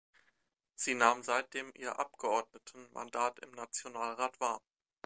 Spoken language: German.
Sie nahm seitdem ihr Abgeordnetenmandat im Nationalrat wahr.